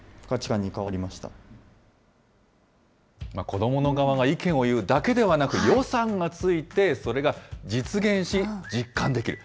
子どもの側が意見を言うだけではなく、予算がついて、それが実現し、実感できる。